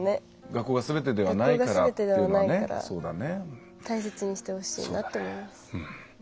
学校がすべてではないから大切にしてほしいなと思います。